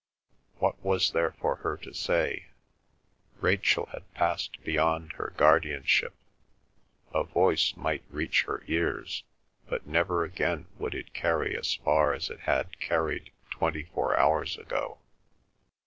What was there for her to say? Rachel had passed beyond her guardianship. A voice might reach her ears, but never again would it carry as far as it had carried twenty four hours ago.